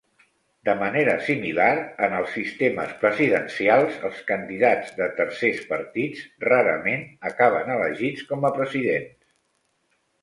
De manera similar, en els sistemes presidencials, els candidats de tercers partits rarament acaben elegits com a presidents.